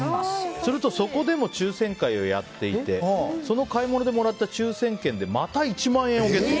すると、そこでも抽選会をやっていてその買い物でもらった抽選券でまた１万円をゲット。